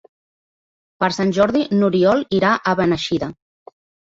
Per Sant Jordi n'Oriol irà a Beneixida.